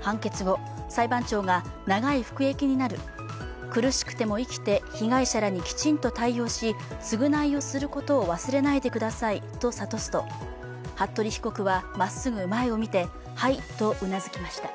判決後、裁判長が長い服役になる苦しくても生きて、被害者らにきちんと対応し、償いをすることを忘れないでくださいと諭すと、服部被告はまっすぐ前を見てはい、とうなずきました。